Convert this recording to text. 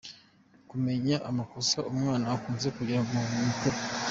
Kumenya amakosa umwana akunze kugira mu mikoro .